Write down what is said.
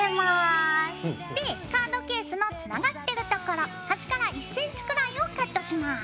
でカードケースのつながってるところ端から１ｃｍくらいをカットします。